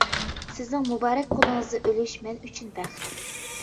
سىزنىڭ مۇبارەك قولىڭىزدا ئۆلۈش مەن ئۈچۈن بەخت.